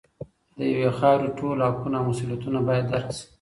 د یوې خاورې د ټولو حقونه او مسوولیتونه باید درک شي.